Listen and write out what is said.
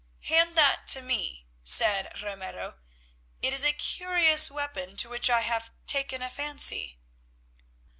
"Hand that to me," said Ramiro. "It is a curious weapon to which I have taken a fancy."